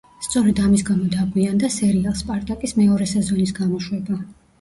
სწორედ ამის გამო დაგვიანდა სერიალ სპარტაკის მეორე სეზონის გამოშვება.